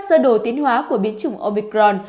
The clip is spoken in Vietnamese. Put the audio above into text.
sơ đồ tiến hóa của biến chủng omicron